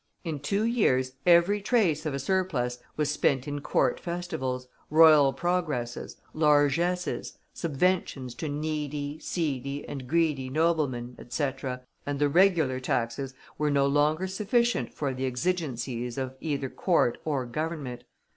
In two years every trace of a surplus was spent in court festivals, royal progresses, largesses, subventions to needy, seedy, and greedy noblemen, etc., and the regular taxes were no longer sufficient for the exigencies of either Court or Government.